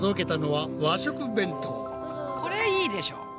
これいいでしょ。